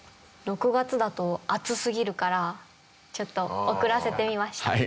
６月だと暑すぎるからちょっと遅らせてみました。